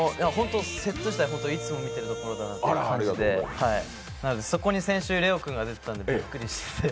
セット自体、いつも見ているところだなという感じで、そこに先週ＬＥＯ君が出てたのでびっくりして。